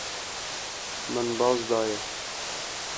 Min baz daye.